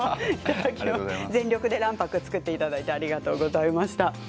全力で卵白を作っていただいてありがとうございました。